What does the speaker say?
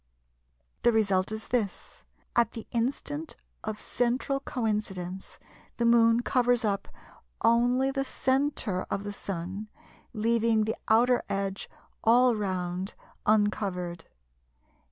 The result is this; at the instant of central coincidence the Moon covers up only the centre of the Sun, leaving the outer edge all round uncovered.